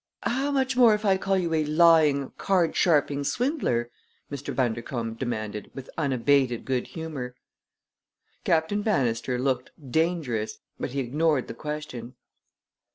"How much more if I call you a lying, card sharping swindler?" Mr. Bundercombe demanded, with unabated good humor. Captain Bannister looked dangerous, but he ignored the question.